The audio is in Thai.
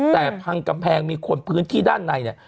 แต่พังกำแพงมีคนพื้นที่ด้านในเนี่ย